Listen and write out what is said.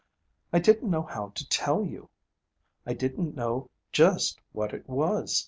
I didn't know how to tell you. I didn't know just what it was.